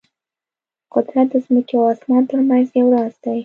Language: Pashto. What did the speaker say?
قدرت د ځمکې او اسمان ترمنځ یو راز دی.